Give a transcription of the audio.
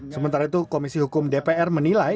sementara itu komisi hukum dpr menilai